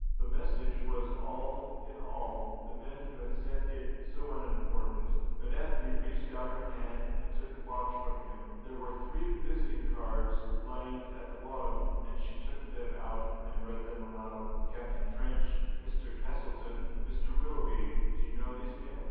The message was all in all, the men who had sent it so unimportant. But Ethne reached out her hand and took the box from him. There were three visiting cards lying at the bottom, and she took them out and read them aloud. "Captain Trench, Mr. Castleton, Mr. Willoughby. Do you know these men?"